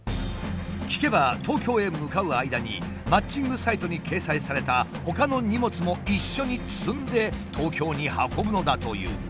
聞けば東京へ向かう間にマッチングサイトに掲載されたほかの荷物も一緒に積んで東京に運ぶのだという。